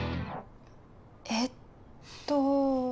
えっと。